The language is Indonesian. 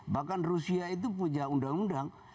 bahkan rusia itu punya undang undang